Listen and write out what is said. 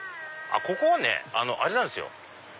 ここはねあれなんですよ。